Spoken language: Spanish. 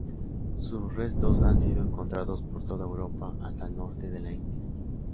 Sus restos han sido encontrados por toda Europa hasta el norte de la India.